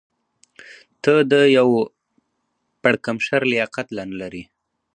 ته د یو پړکمشر لیاقت لا نه لرې.